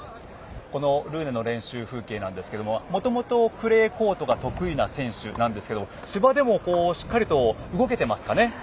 このルーネの練習風景なんですがもともと、クレーコートが得意な選手なんですけど芝でもしっかりと動けてますかね。